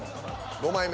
５枚目。